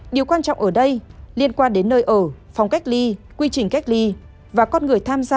điều quan trọng ở đây liên quan đến nơi ở phòng cách ly quy trình cách ly và con người tham gia